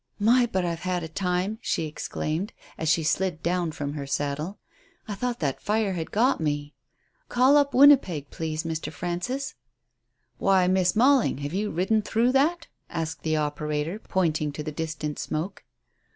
"My, but I've had a time," she exclaimed, as she slid down from her saddle. "I thought that fire had got me. Call up Winnipeg, please, Mr. Frances." "Why, Miss Mailing, have you ridden through that?" asked the operator, pointing to the distant smoke.